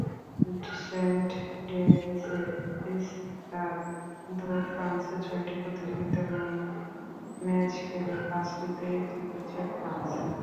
Saint ডেনিসের স্তাদ দো ফ্রান্সে ছয়টি প্রতিযোগিতামূলক ম্যাচ খেলে পাঁচটিতেই জিতেছে ফ্রান্স।